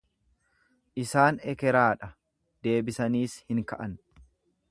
Isaan ekeraa dha, deebisaniis hin ka'an.